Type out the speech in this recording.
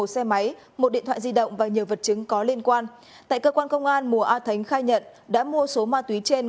một xe máy một điện thoại di động và nhiều vật chứng có liên quan tại cơ quan công an mùa a thánh khai nhận đã mua số ma túy trên